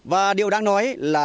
và điều đang nói là